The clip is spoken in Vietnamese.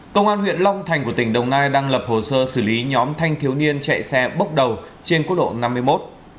công an huyện long thành của tỉnh đồng nai đang lập hồ sơ xử lý nhóm thanh thiếu niên chạy xe bốc đầu trên quốc lộ năm mươi một